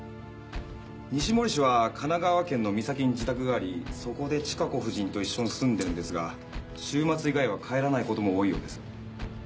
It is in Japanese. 西森氏は神奈川県の三崎に自宅がありそこで千賀子夫人と一緒に住んでいるのですが週末以外は帰らないことも多いようです。